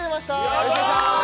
よろしくお願いします